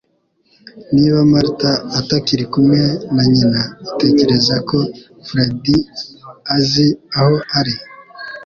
Niba Martha atakiri kumwe na nyina, utekereza ko Fred azi aho ari?